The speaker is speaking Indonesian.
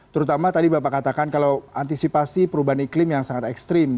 terutama tadi bapak katakan kalau antisipasi perubahan iklim yang sangat ekstrim